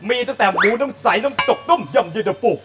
มีตั้งแต่หูน้ำไสน้ำจกน้ำยำเย็ดหรือฝุก